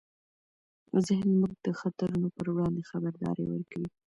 ذهن موږ د خطرونو پر وړاندې خبرداری ورکوي.